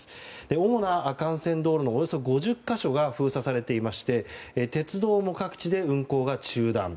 主な幹線道路のおよそ５０か所が封鎖されていまして、鉄道も各地で運行が中断。